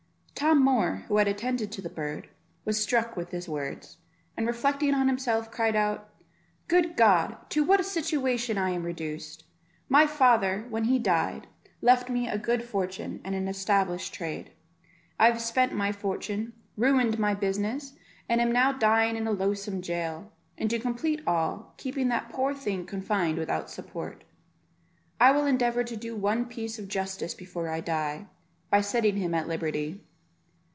Tom Moor, who had attended to the bird, was struck with his words, and reflecting on himself, cried out, "Good God, to what a situation am I reduced! my father, when he died, left me a good fortune and an established trade. I have spent my fortune, ruined my business, and am now dying in a loathsome jail; and to complete all, keeping that poor thing confined without support. I will endeavour to do one piece of justice before I die, by setting him at liberty."